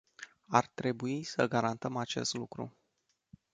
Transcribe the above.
Ar trebui să garantăm acest lucru.